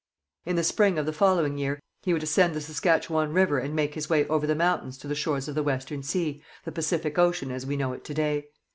In the spring of the following year he would ascend the Saskatchewan river and make his way over the mountains to the shores of the Western Sea, the Pacific ocean as we know it to day.